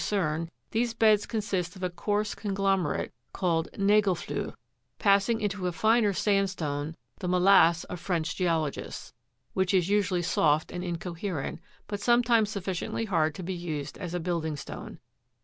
85 cerne these beds consist of a coarse conglomerate, called " nagel fluhe," passing into a finer sandstone (the "molasse" of French geologists), which is usually soft and incoherent, but sometimes sufficiently hard to be used as a building stone.